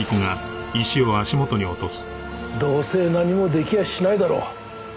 どうせ何も出来やしないだろう。